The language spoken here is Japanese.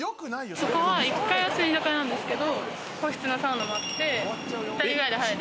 そこは１階は普通に居酒屋なんですけど、個室のサウナがあって。